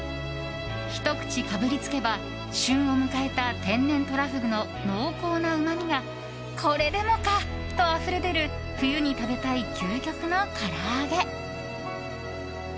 ひと口かぶりつけば旬を迎えた天然トラフグの濃厚なうまみがこれでもか！とあふれ出る冬に食べたい究極のから揚げ。